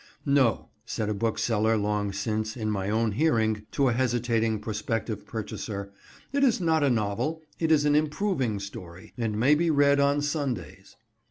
"No," said a bookseller long since, in my own hearing, to a hesitating prospective purchaser, "it is not a novel: it is an improving story, and may be read on Sundays."